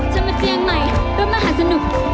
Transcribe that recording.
ฉันมาเชียงใหม่เพื่อมาหาสนุก